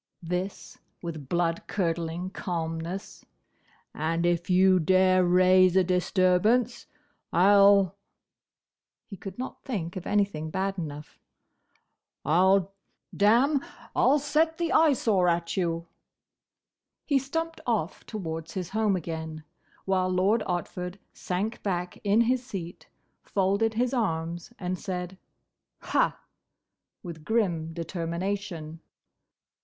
this with blood curdling calmness. "And if you dare raise a disturbance, I 'll—" he could not think of anything bad enough. "I 'll—damme! I 'll set the Eyesore at you!" He stumped off towards his home again, while Lord Otford sank back in his seat, folded his arms, and said, "Ha!" with grim determination.